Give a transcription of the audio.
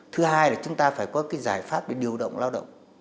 thứ hai là chúng ta phải có cái giải pháp để điều động lao động